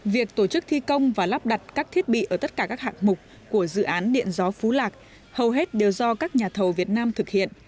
việc tổ chức thi công và lắp đặt các thiết bị ở tất cả các hạng mục của dự án điện gió phú lạc hầu hết đều do các nhà thầu việt nam thực hiện